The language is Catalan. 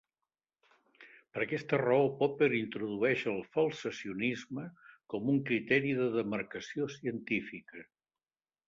Per aquesta raó Popper introdueix el falsacionisme com un criteri de demarcació científica.